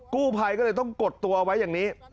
กู้ภัยก็เลยต้องกดตัวเอาไว้อย่างนี้